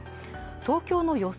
東京の予想